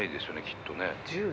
きっとね。